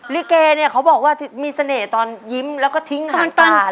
ลิเกเนี่ยเขาบอกว่ามีเสน่ห์ตอนยิ้มแล้วก็ทิ้งอาหารตา